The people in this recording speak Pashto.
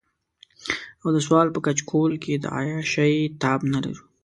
او د سوال په کچکول کې د عياشۍ تاب نه لرو.